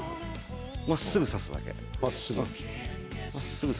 まっすぐ挿すだけ。